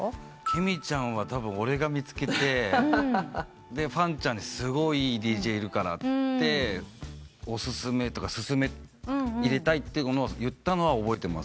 ケミちゃんはたぶん俺が見つけてファンちゃんにすごいいいＤＪいるからって入れたいって言ったのは覚えてますね。